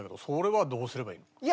それはどうすればいいの？